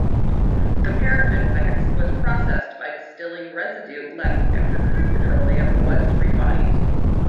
The Paraffin wax was processed by distilling residue left after crude petroleum was refined.